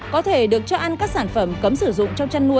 có thể được cho ăn các sản phẩm cấm sử dụng